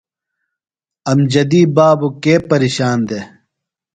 امجدی بابوۡ کے پیرشان دےۡ؟